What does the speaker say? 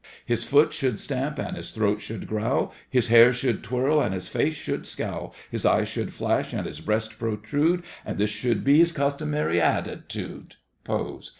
His foot should stamp and his throat should growl, His hair should twirl and his face should scowl, His eyes should flash and his breast protrude, And this should be his customary attitude—(pose).